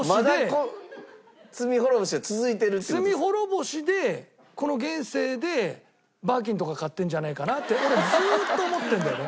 罪滅ぼしでこの現世でバーキンとか買ってるんじゃねえかなって俺ずーっと思ってるんだよね。